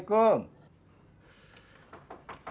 anda sudah menerima